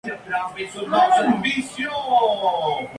Ha incursionado como locutor de programas de radio.